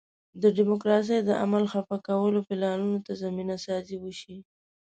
د ډیموکراسۍ د عمل خفه کولو پلانونو ته زمینه سازي وشي.